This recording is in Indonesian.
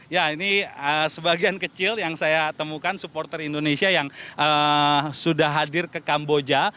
ya ini sebagian kecil yang saya temukan supporter indonesia yang sudah hadir ke kamboja